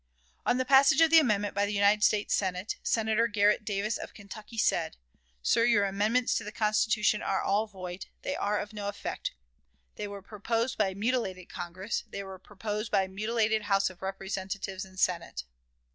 On the passage of the amendment by the United States Senate, Senator Garrett Davis, of Kentucky, said: "Sir, your amendments to the Constitution are all void; they are of no effect. They were proposed by a mutilated Congress; they were proposed by a mutilated House of Representatives and Senate."